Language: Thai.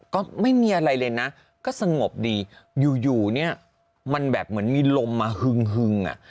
ก็ไม่มีอะไรเลยนะก็สงบดีอยู่อยู่เนี่ยมันแบบเหมือนมีลมมาฮึงอ่ะ